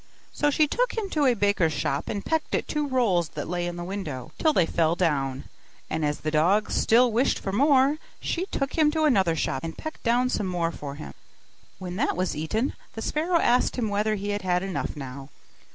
So she took him to a baker's shop, and pecked at two rolls that lay in the window, till they fell down: and as the dog still wished for more, she took him to another shop and pecked down some more for him. When that was eaten, the sparrow asked him whether he had had enough now.